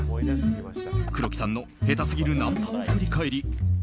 黒木さんの下手すぎるナンパを振り返り